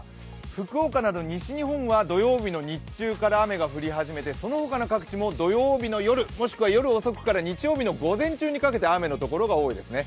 福岡など西日本は土曜日の日中から雨が降り始めてその他の各地も土曜日の夜、もしくは日曜日の午前中にかけて雨のところが多いですね。